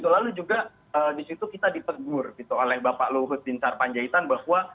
lalu juga di situ kita dipegur oleh bapak luhut dinsar panjaitan bahwa